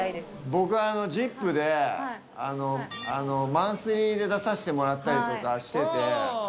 僕『ＺＩＰ！』でマンスリーで出させてもらったりとかしてて。